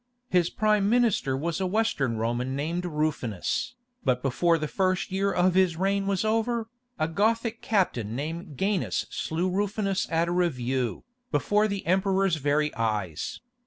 His prime minister was a Western Roman named Rufinus, but before the first year of his reign was over, a Gothic captain named Gainas slew Rufinus at a review, before the Emperor's very eyes.